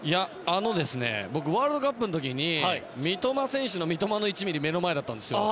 僕、ワールドカップの時に三笘の１ミリが目の前だったんですよ。